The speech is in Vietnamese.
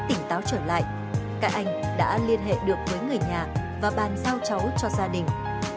tỉnh táo trở lại các anh đã liên hệ được với người nhà và bàn giao cháu cho gia đình